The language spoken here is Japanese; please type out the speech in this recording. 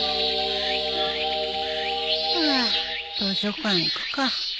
ハァ図書館行くか。